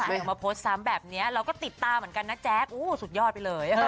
ไม่ได้มีใครแกล้งเขาเนาะ